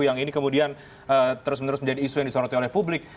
yang ini kemudian terus menerus menjadi isu yang disoroti oleh publik